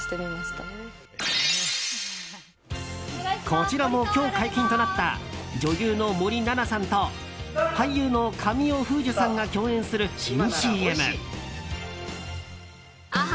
こちらも今日解禁となった女優の森七菜さんと俳優の神尾楓珠さんが共演する新ＣＭ。